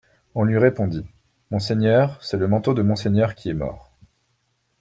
On lui répondit : monseigneur, c’est le manteau de monseigneur qui est mort.